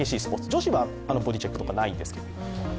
女子はボディチェックとかないですけど。